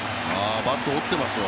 バット折ってますよ。